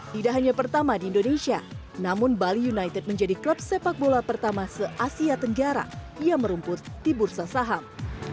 tidak hanya pertama di indonesia namun bali united menjadi klub sepak bola pertama se asia tenggara yang merumput di bursa saham